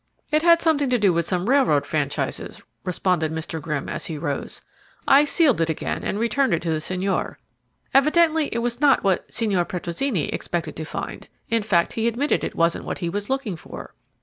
"It had something to do with some railroad franchises," responded Mr. Grimm as he rose. "I sealed it again and returned it to the señor. Evidently it was not what Signor Petrozinni expected to find in fact, he admitted it wasn't what he was looking for."